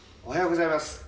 おはようございます。